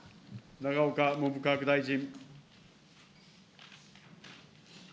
永岡文部科学大臣。